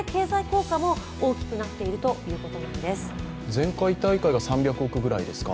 前回大会が３００億ぐらいですか。